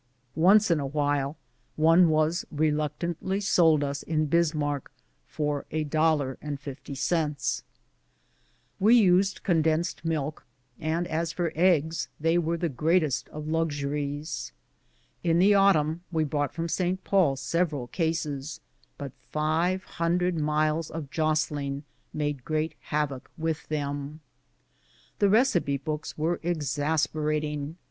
Once in a great while one was reluctantly sold us in Bismarck for a dollar and a half. We used condensed milk, and as for eggs, they were 173 BOOTS AND SADDLES. the greatest of luxuries. In the autumn we brought from St. Paul several cases, but five hundred miles of jostling made great havoc with them. The receipt books were exasperating.